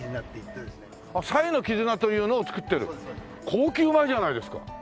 高級米じゃないですか！